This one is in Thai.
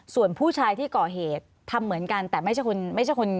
ส่วนผู้ชายที่ก่อเหตุทำเหมือนกันแต่ไม่ใช่คนไม่ใช่คน